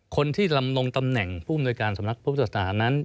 คนที่ลำนงตำแหน่งผู้อำนวยการสำนักพุทธศาสนานั้น